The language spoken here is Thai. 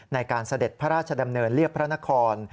เสด็จพระราชดำเนินเรียบพระนคร